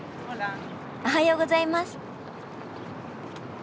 おはようございます。